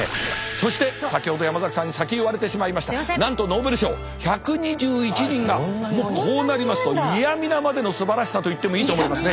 そして先ほど山崎さんに先言われてしまいましたなんとノーベル賞１２１人がもうこうなりますと嫌みなまでのすばらしさと言ってもいいと思いますね。